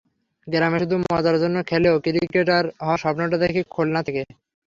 গ্রামে শুধু মজার জন্য খেললেও ক্রিকেটার হওয়ার স্বপ্নটা দেখি খুলনা থেকে।